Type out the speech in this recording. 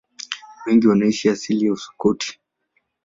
Wengi wana asili ya Uskoti.